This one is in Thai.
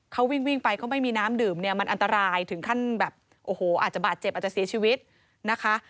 เขาวิ่งวิ่งไปเขาไม่มีน้ำดื่มเนี่ยมันอันตรายถึงขั้นแบบโอ้โหอาจจะบาดเจ็บอาจจะเสียชีวิตนะคะ